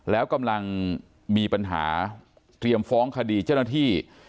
แล้วกำลังมีปัญหาเตรียมฟ้องคดีเจ้าหน้าที่